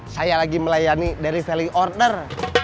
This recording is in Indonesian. saya lagi melayani dari value order